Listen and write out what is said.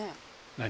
何？